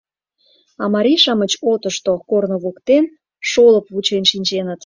А марий-шамыч отышто, корно воктен, шолып вучен шинченыт.